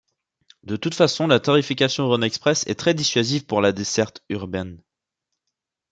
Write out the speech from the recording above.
De toutes façons, la tarification Rhônexpress est très dissuasive pour la desserte urbaine.